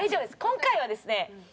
今回はですね